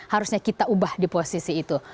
harusnya kita ubah di posisi itu